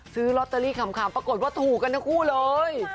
ซื้อลอตเตอรี่ขำปรากฏว่าถูกกันทั้งคู่เลย